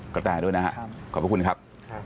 กฎตังค์ด้วยนะฮะขอบคุณครับ